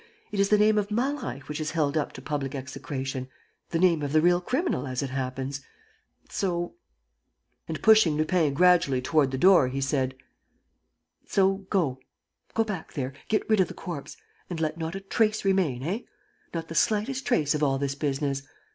It is the name of Malreich which is held up to public execration ... the name of the real criminal, as it happens. ... So ..." And, pushing Lupin gradually toward the door, he said: "So go. ... Go back there. ... Get rid of the corpse. ... And let not a trace remain, eh? Not the slightest trace of all this business.